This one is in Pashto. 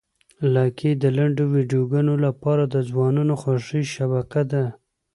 لایکي د لنډو ویډیوګانو لپاره د ځوانانو خوښې شبکه ده.